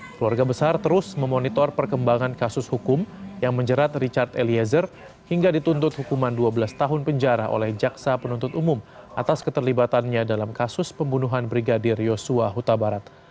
keluarga besar terus memonitor perkembangan kasus hukum yang menjerat richard eliezer hingga dituntut hukuman dua belas tahun penjara oleh jaksa penuntut umum atas keterlibatannya dalam kasus pembunuhan brigadir yosua huta barat